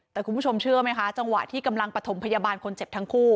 แต่คุณผู้ชมเชื่อไหมคะจังหวะที่กำลังประถมพยาบาลคนเจ็บทั้งคู่